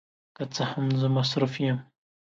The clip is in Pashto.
که څه هم، زه مصروف یم.